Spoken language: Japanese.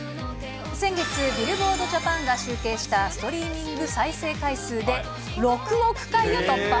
先月、ビルボード・ジャパンが集計したストリーミング再生回数で６億回を突破。